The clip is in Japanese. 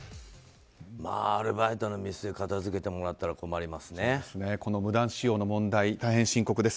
アルバイトのミスで片付けてもらったらこの無断使用の問題大変深刻です。